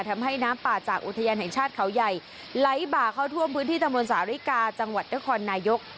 ทำให้น้ำป่าจากอุทยานแห่งชาติเขาใหญ่ไหลบ่าเข้าท่วมพื้นที่ตำบลสาริกาจังหวัดนครนายก